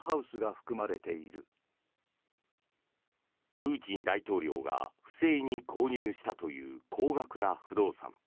プーチン大統領が不正に購入したという高額な不動産。